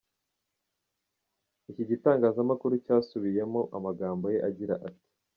Iki gitangazamakuru cyasubiyemo amagambo ye agira ati:.